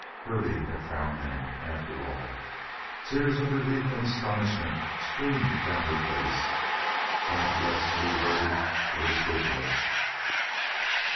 Hervey had found them, after all! Tears of relief and astonishment streamed down her face. God bless Lew Hervey for this good work!